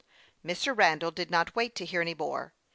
Mr. Randall did not wait to hear any more.